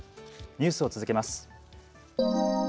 ニュースを続けます。